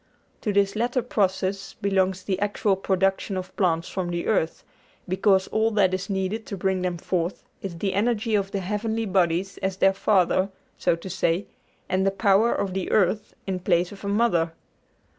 To this latter process belongs the actual production of plants from the earth, because all that is needed to bring them forth is the energy of the heavenly bodies as their father, so to say, and the power of the earth in place of a mother.